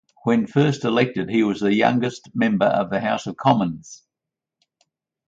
When first elected, he was the youngest member of the House of Commons.